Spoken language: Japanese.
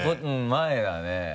前だね。